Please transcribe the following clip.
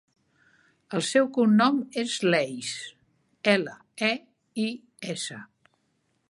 El seu cognom és Leis: ela, e, i, essa.